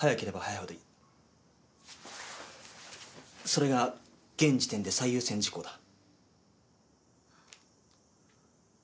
それが現時点で最優先事項だ。